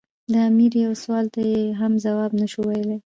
د امیر یوه سوال ته یې هم ځواب نه شو ویلای.